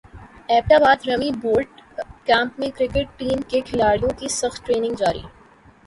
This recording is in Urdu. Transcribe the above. ایبٹ باد رمی بوٹ کیمپ میں کرکٹ ٹیم کے کھلاڑیوں کی سخت ٹریننگ جاری